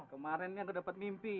kemarin ini aku dapat mimpi